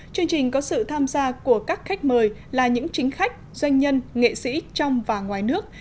chương trình có sự tham gia của các khách mời là những chính khách doanh nhân nghệ sĩ trong và ngoài nước